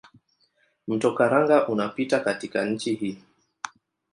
Mto Karanga unapita katika nchi hii.